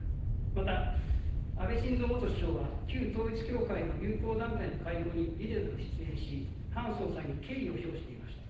また、安倍晋三元首相は旧統一教会の友好団体の会合にビデオで出演し韓総裁に敬意を表していました。